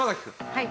はい。